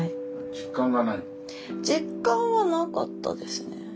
実感はなかったですね。